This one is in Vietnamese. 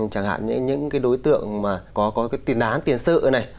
chẳng hạn những cái đối tượng mà có cái tiền đán tiền sự này